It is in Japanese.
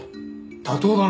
妥当だな。